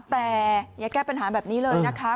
แต่อย่าแก้ปัญหาแบบนี้เลยนะคะ